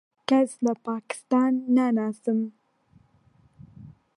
کەس لە پاکستان ناناسم.